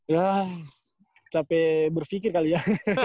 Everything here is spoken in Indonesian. yah capek berfikir kali ya